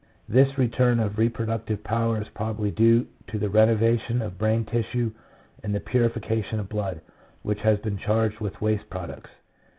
This return of reproductive power is prob ably due to the renovation of brain tissue and the purification of the blood, which has been charged with waste products.